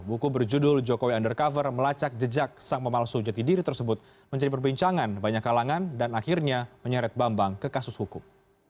buku berjudul jokowi undercover melacak jejak sang pemalsu jati diri tersebut menjadi perbincangan banyak kalangan dan akhirnya menyeret bambang ke kasus hukum